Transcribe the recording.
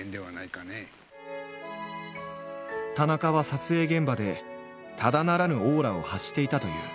田中は撮影現場でただならぬオーラを発していたという。